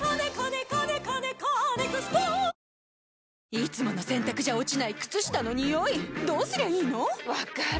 いつもの洗たくじゃ落ちない靴下のニオイどうすりゃいいの⁉分かる。